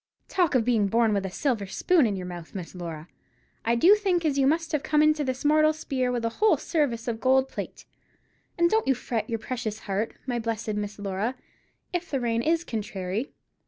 Talk of being born with a silver spoon in your mouth, Miss Laura; I do think as you must have come into this mortal spear with a whole service of gold plate. And don't you fret your precious heart, my blessed Miss Laura, if the rain is contrairy.